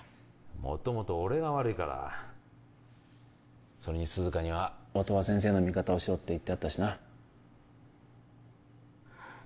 もともと俺が悪いからそれに涼香には音羽先生の味方をしろって言ってあったしな